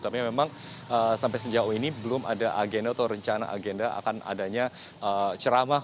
tapi memang sampai sejauh ini belum ada agenda atau rencana agenda akan adanya ceramah